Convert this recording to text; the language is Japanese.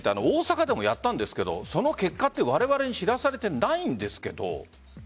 大阪でもやったんですがその結果はわれわれに知らされてないんですが。